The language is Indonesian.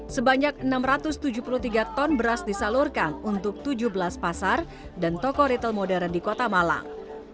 sebanyak enam ratus tujuh puluh tiga ton beras disalurkan untuk tujuh belas pasar dan toko retail modern di kota malang